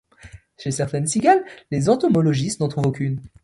Chez certaines cigales, les entomologistes n'en trouvent aucune.